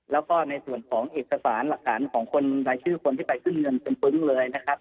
แล้วก็ในส่วนของเอกสารหลักฐานของคนรายชื่อคนที่ไปขึ้นเงินเป็นปึ้งเลยนะครับ